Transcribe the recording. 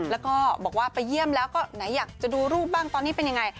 แล้วก็บอกว่าไปเยี่ยมแล้วก็ไหนอยากจะดูรูปบ้างตอนนี้เป็นยังไง